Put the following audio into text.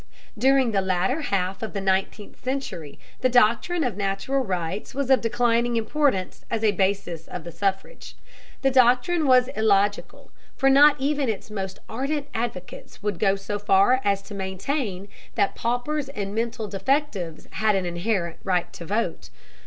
During the latter half of the nineteenth century the doctrine of natural rights was of declining importance as a basis of the suffrage. The doctrine was illogical, for not even its most ardent advocates would go so far as to maintain that paupers and mental defectives had an inherent right to vote.